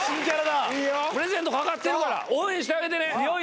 プレゼント懸かってるから応援してあげてね。